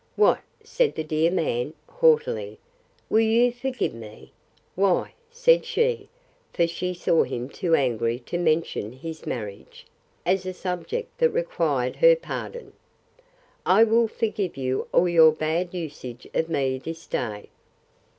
—What, said the dear man, haughtily, will you forgive me?—Why, said she, for she saw him too angry to mention his marriage, as a subject that required her pardon—I will forgive you all your bad usage of me this day.